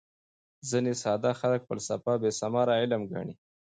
ځیني ساده خلک فلسفه بېثمره علم ګڼي.